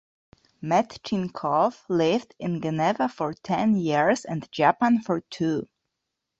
Metchnikoff lived in Geneva for ten years and Japan for two.